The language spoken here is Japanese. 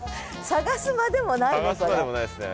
探すまでもないね。